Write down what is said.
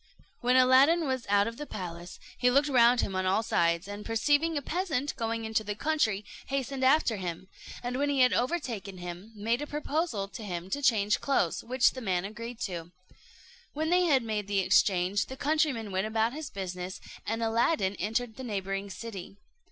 When Aladdin was out of the palace, he looked round him on all sides, and perceiving a peasant going into the country, hastened after him; and when he had overtaken him, made a proposal to him to change clothes, which the man agreed to. When they had made the exchange, the countryman went about his business, and Aladdin entered the neighbouring city.